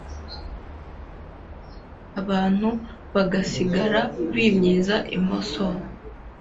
abantu bagasigara bimyiza imoso,